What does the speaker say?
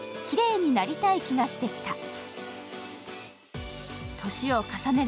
「きれいになりたい気がしてきた」。